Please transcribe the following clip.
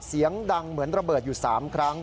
เสียงดังเหมือนระเบิดอยู่๓ครั้ง